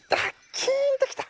キーンときた！